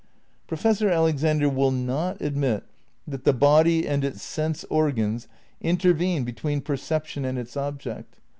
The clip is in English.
Professor Alexander will not admit that the body and its sense organs intervene between perception and its object.